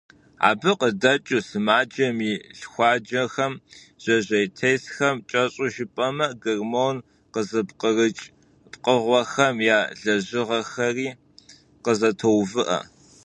Абы къыдэкӀуэу, сымаджэм и лъхуадэхэм, жьэжьейтесхэм, кӀэщӀу жыпӀэмэ, гормон къызыпкърыкӀ пкъыгъуэхэм я лэжьыгъэри къызэтоувыӀэ.